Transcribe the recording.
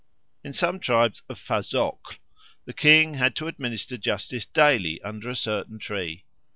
In some tribes of Fazoql the king had to administer justice daily under a certain tree.